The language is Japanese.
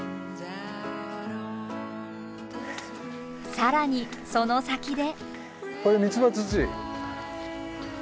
更にその先で。